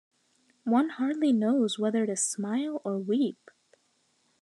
One hardly knows whether to smile or weep?